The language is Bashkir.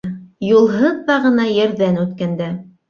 Юлһыҙ ҙа ғына Ерҙән үткәндә.